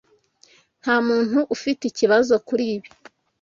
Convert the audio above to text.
Nta muntu ufite ikibazo kuri ibi.